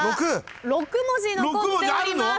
６文字残っております。